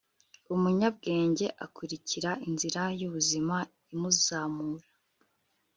umunyabwenge akurikira inzira y'ubuzima imuzamura